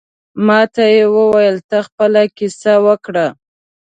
ماته یې ویل ته خپله کیسه وکړه.